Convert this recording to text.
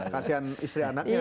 kasian istri anaknya ya